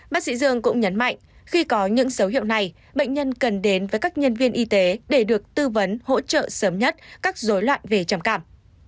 bác sĩ dương cũng nhấn mạnh khi có những dấu hiệu này bệnh nhân cần đến với các nhân viên y tế để được tư vấn hỗ trợ sớm nhất các dối loạn về trầm cảm